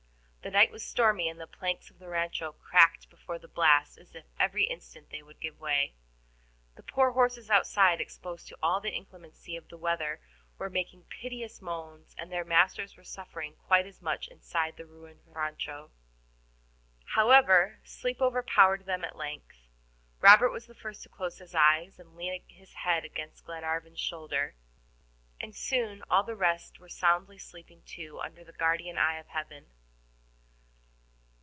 The night was stormy, and the planks of the rancho cracked before the blast as if every instant they would give way. The poor horses outside, exposed to all the inclemency of the weather, were making piteous moans, and their masters were suffering quite as much inside the ruined RANCHO. However, sleep overpowered them at length. Robert was the first to close his eyes and lean his head against Glenarvan's shoulder, and soon all the rest were soundly sleeping too under the guardian eye of Heaven.